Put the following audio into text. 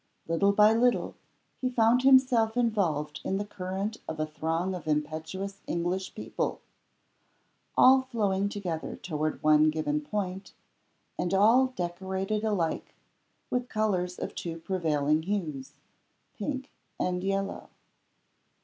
Little by little, he found himself involved in the current of a throng of impetuous English people, all flowing together toward one given point, and all decorated alike with colors of two prevailing hues pink and yellow.